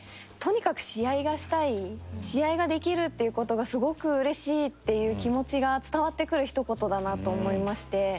とにかく試合がしたい試合ができるっていう事がすごくうれしいっていう気持ちが伝わってくるひと言だなと思いまして。